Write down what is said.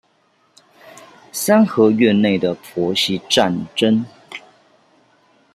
三合院內的婆媳戰爭